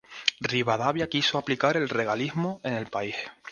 Rivadavia quiso aplicar el regalismo en el país.